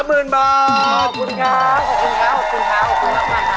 ขอบคุณค่ะขอบคุณค่ะขอบคุณค่ะขอบคุณมากค่ะ